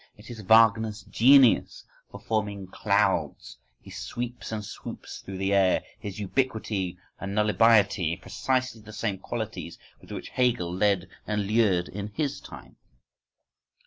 It is Wagner's genius for forming clouds, his sweeps and swoops through the air, his ubiquity and nullibiety—precisely the same qualities with which Hegel led and lured in his time!